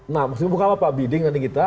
nah maksudnya bukan apa pak bidding nanti kita